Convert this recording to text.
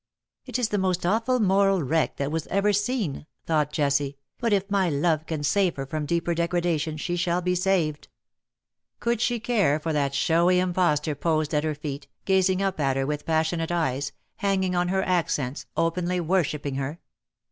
" It is the most awful moral wreck that was ever 217 seen/^ thought Jessie ;'^ but if my love can save her from deeper degradation she shall be saved/^ Could she care for that showy impostor posed at her feet, gazing up at her with passionate eyes — hanging on her accents — openly worshipping her?